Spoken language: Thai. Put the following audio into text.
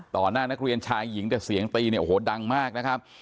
หน้านักเรียนชายหญิงแต่เสียงตีเนี่ยโอ้โหดังมากนะครับ